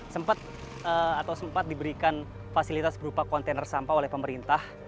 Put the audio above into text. sempat atau sempat diberikan fasilitas berupa kontainer sampah oleh pemerintah